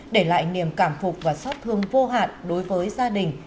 để lại niềm cảm phục và xót thương vô hạn đối với gia đình